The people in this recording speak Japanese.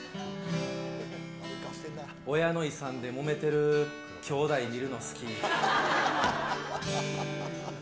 親の遺産でもめてる兄弟見るの、好き。